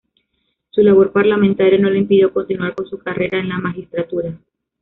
Su labor parlamentaria no le impidió continuar con su carrera en la magistratura.